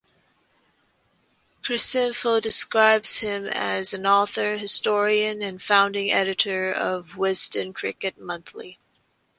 Cricinfo describes him as "an author, historian, and founding editor of "Wisden Cricket Monthly".